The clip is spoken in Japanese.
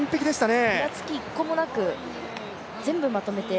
ふらつき１個もなく全部まとめて。